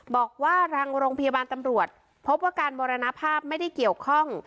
บอกว่าทางโรงพยาบาลตำรวจพบว่าการมรณภาพไม่ได้เกี่ยวข้อง